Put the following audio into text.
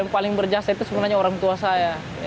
yang paling berjasa itu sebenarnya orang tua saya